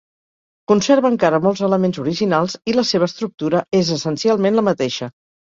Conserva encara molts elements originals, i la seva estructura és essencialment la mateixa.